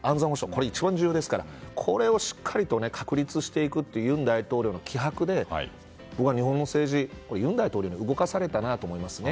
これが一番重要ですからこれをしっかりと確立していくという尹大統領の気迫で僕は日本の政治は尹大統領に動かされたなと思いますね。